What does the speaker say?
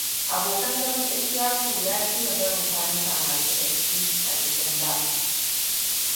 Abokan zaman Ishaku ya fiya barin kwanuka masu datti a cikin baf.